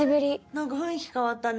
何か雰囲気変わったね。